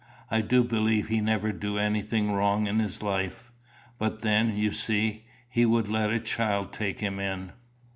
I do believe he never do anything wrong in his life. But then, you see, he would let a child take him in."